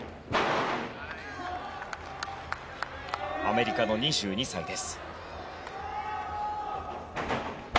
アメリカの２２歳です。